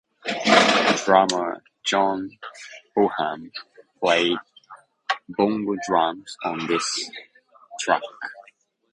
Drummer John Bonham played bongo drums on this track.